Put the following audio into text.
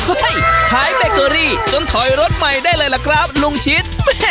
ขายเบเกอรี่จนถอยรถใหม่ได้เลยล่ะครับลุงชิด